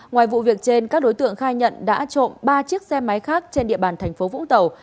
ngoài vụ việc trên các đối tượng khai nhận đã trộm ba chiếc xe máy khác trên địa bàn thành phố vũng tàu